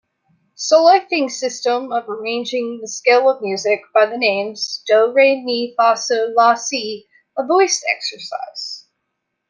Solfaing system of arranging the scale of music by the names do, re, mi, fa, sol, la, si a voice exercise.